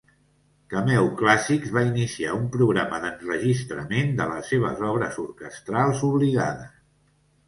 Cameo Classics va iniciar un programa d'enregistrament de les seves obres orquestrals oblidades.